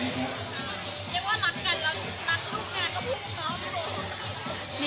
และรักเพื่อเพื่อลูกงานก็ปรุงนะ